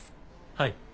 はい。